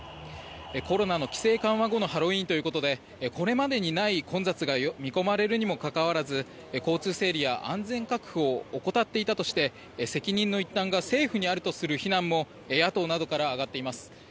コロナの規制緩和後のハロウィーンということでこれまでにない混雑が見込まれるにもかかわらず交通整理や安全確保を怠っていたとして責任の一端が政府にあるとする非難も野党などから上がっています。